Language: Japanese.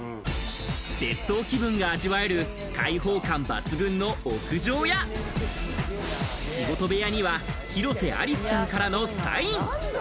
別荘気分が味わえる、開放感抜群の屋上や、仕事部屋には広瀬アリスさんからのサイン。